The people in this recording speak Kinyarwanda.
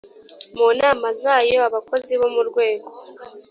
mu nama zayo abakozi bo mu rwego